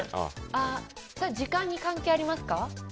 時間に関係ありますか？